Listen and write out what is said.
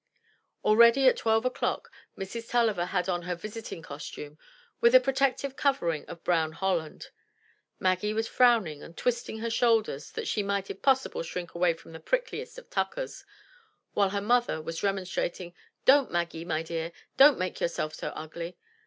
Already at twelve o'clock Mrs. TuUiver had on her visiting costume, with a protective covering of brown holland; Maggie was frowning and twisting her shoulders, that she might if possible shrink away from the prickliest of tuckers, while her mother was remonstrating, "Don't, Maggie, my dear; don't make yourself so ugly!"